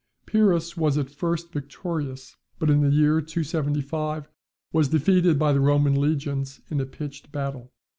Pyrrhus was at first victorious, but in the year 275 was defeated by the Roman legions in a pitched battle.